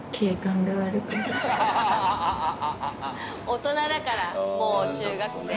大人だからもう中学生。